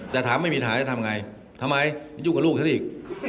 แต่ถามไม่มีปัญหาจะทำไงทำไมยุ่งกับลูกฉันอีก